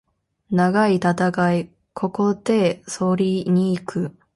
長い戦い、ここで担ぎに行く。